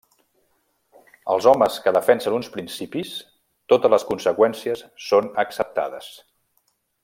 Els homes que defensen uns principis, totes les conseqüències són acceptades.